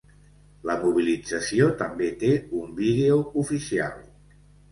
La mobilització també té un vídeo oficial.